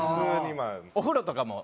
お風呂とかもね